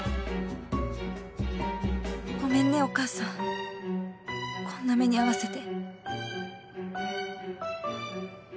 ごめんねお母さんこんな目に遭わせて